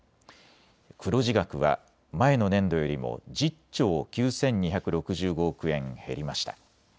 黒字額は前の年度よりも１０兆９２６５億円減りました。